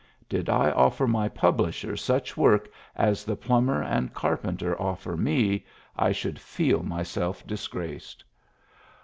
Did I offer my publisher such work as the plumber and carpenter offer me, I should feel myself disgraced.